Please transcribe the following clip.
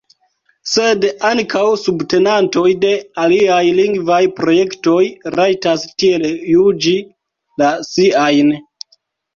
Sed ankaŭ subtenantoj de aliaj lingvaj projektoj rajtas tiel juĝi la siajn.